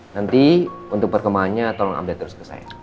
nanti untuk perkembangannya tolong update terus ke saya